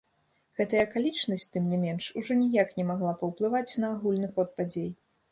Гэтая акалічнасць, тым не менш, ужо ніяк не магла паўплываць на агульны ход падзей.